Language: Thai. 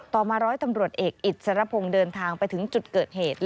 มาร้อยตำรวจเอกอิสรพงศ์เดินทางไปถึงจุดเกิดเหตุ